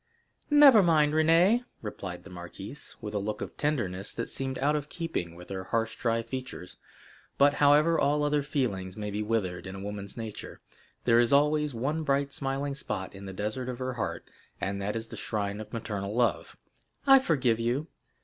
"Never mind, Renée," replied the marquise, with a look of tenderness that seemed out of keeping with her harsh dry features; but, however all other feelings may be withered in a woman's nature, there is always one bright smiling spot in the desert of her heart, and that is the shrine of maternal love. "I forgive you.